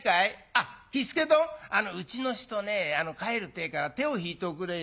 あっ喜助どんうちの人ね帰るってえから手を引いておくれよ。